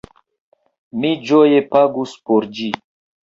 Mi ĝoje pagus por ĝi!